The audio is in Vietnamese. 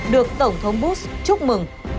được tổng thống bush chúc mừng